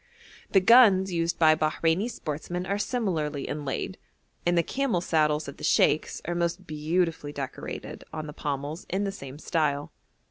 The guns used by Bahreini sportsmen are similarly inlaid, and the camel saddles of the sheikhs are most beautifully decorated on the pommels in the same style.